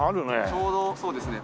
ちょうどそうですね